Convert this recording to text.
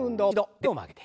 腕を曲げて。